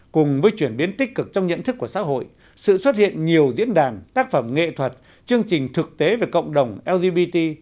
cùng với chuyển biến tích cực trong nhận thức của xã hội sự xuất hiện nhiều diễn đàn tác phẩm nghệ thuật chương trình thực tế về cộng đồng lgbt